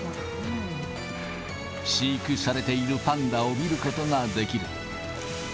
飼育されているパンダを見ることができる。